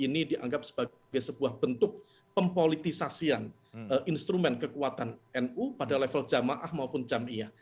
ini dianggap sebagai sebuah bentuk pempolitisasian instrumen kekuatan nu pada level jamaah maupun jamiyah